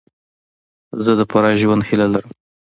زه د پوره ژوند هیله لرم.